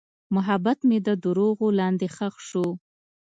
محبت مې د دروغو لاندې ښخ شو.